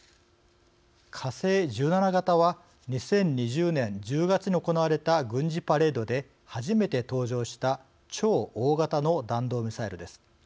火星１７型は２０２０年１０月に行われた軍事パレードで初めて登場した超大型の弾道ミサイルです。